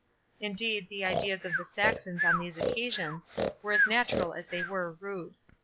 Indeed the ideas of the Saxons on these occasions were as natural as they were rude.